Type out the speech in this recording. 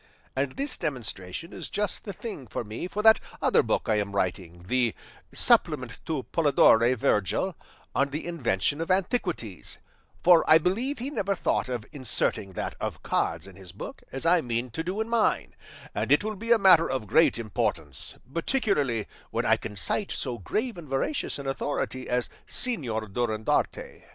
And this demonstration is just the thing for me for that other book I am writing, the 'Supplement to Polydore Vergil on the Invention of Antiquities;' for I believe he never thought of inserting that of cards in his book, as I mean to do in mine, and it will be a matter of great importance, particularly when I can cite so grave and veracious an authority as Señor Durandarte.